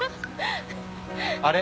あれ？